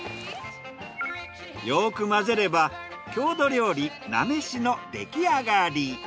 よく混ぜれば郷土料理菜飯の出来上がり。